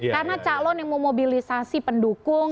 karena calon yang memobilisasi pendukung